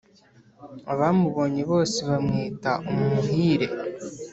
abamubonye bose bamwita umuhire.